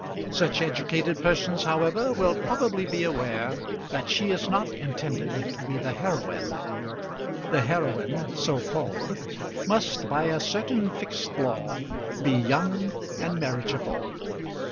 Such educated persons, however, will probably be aware that she is not intended to be the heroine. The heroine, so called, must by a certain fixed law be young and marriageable.